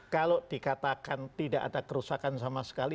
kalau dikatakan tidak ada kerusakan sama sekali